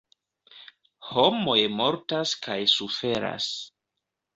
Homoj mortas kaj suferas.